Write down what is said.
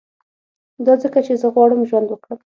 دا ځکه چي زه غواړم ژوند وکړم